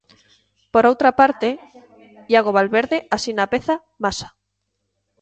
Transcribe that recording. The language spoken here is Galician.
Por outra parte, Iago Valverde asina a peza 'Masa'.